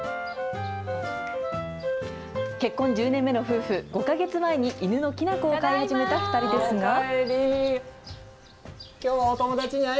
結婚１０年目の夫婦、５か月前に犬のキナコを飼い始めた２人ですが。